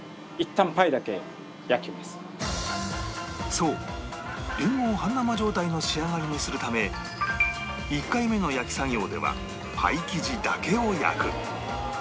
そうりんごを半生状態の仕上がりにするため１回目の焼き作業ではパイ生地だけを焼く